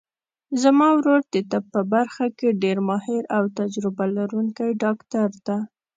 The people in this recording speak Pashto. زما ورور د طب په برخه کې ډېر ماهر او تجربه لرونکی ډاکټر ده